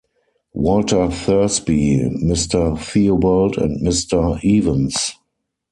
Walter Thursby, Mr. Theobald and Mr. Evans.